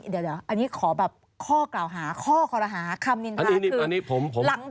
เดี๋ยวอันนี้ขอแบบข้อกล่าวหาข้อคอละหาคำนินทาคือหลังบ้านเนี่ย